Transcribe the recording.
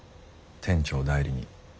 店長代理に。